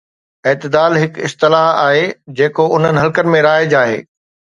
اعتدال هڪ اصطلاح آهي جيڪو انهن حلقن ۾ رائج آهي.